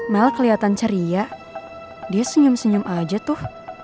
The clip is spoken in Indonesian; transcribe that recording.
mel kelihatan ceria dia senyum senyum aja tuh